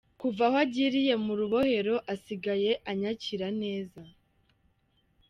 Kuva aho agiriye mu Rubohero, asigaye anyakira neza.